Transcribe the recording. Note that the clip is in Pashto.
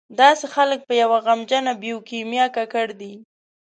داسې خلک په یوه غمجنه بیوکیمیا ککړ دي.